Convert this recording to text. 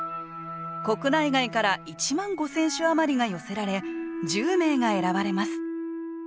国内外から１万５，０００首余りが寄せられ１０名が選ばれます